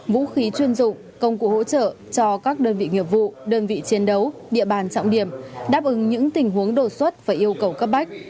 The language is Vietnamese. vũ khí chuyên dụng công cụ hỗ trợ cho các đơn vị nghiệp vụ đơn vị chiến đấu địa bàn trọng điểm đáp ứng những tình huống đột xuất và yêu cầu cấp bách